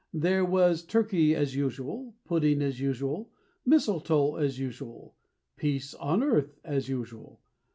There was turkey as usual, Pudding as usual, Mistletoe as usual, Peace on earth as usual.